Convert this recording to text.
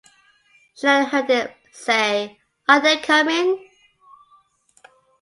She then heard him say Are they coming?